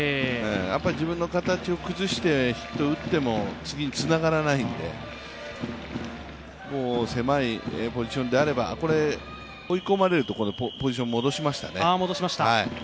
自分の形を崩してヒットを打っても次につながらないんで狭いポジションであれば、追い込まれるとポジションを戻しましたね。